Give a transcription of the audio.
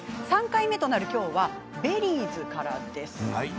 ３回目となる今日はベリーズからです。